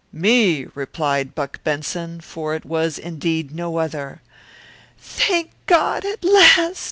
"Me!" replied Buck Benson, for it was, indeed, no other. "Thank God, at last!"